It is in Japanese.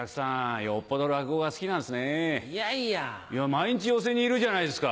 毎日寄席にいるじゃないですか。